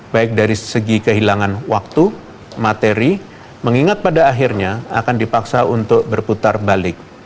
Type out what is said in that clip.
baik dari segi kehilangan waktu materi mengingat pada akhirnya akan dipaksa untuk berputar balik